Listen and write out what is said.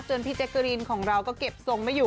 จนพี่เจกรีนของเราก็เก็บทรงไว้อยู่